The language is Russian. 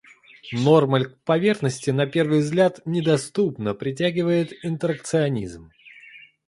Нормаль к поверхности, на первый взгляд, недоступно притягивает интеракционизм.